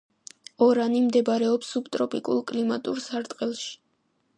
ორანი მდებარეობს სუბტროპიკულ კლიმატურ სარტყელში.